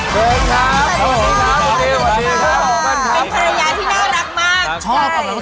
เป็นภรรยาที่น่ารักมาก